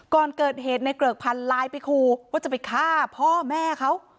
ก่อนเกิดเหตุนายเกลือกพันธุ์ลายไปคู่ว่าจะไปฆ่าพ่อแม่เขา